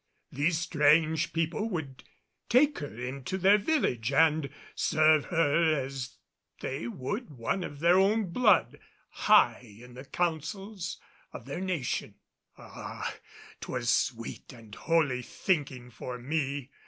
These strange people would take her into their village and serve her as they would one of their own blood, high in the councils of their nation. Ah! 'Twas sweet and holy thinking for me.